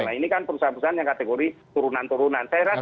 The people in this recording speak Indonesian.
nah ini kan perusahaan perusahaan yang kategori turunan turunan